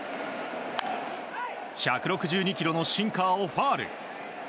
１６２キロのシンカーをファウル。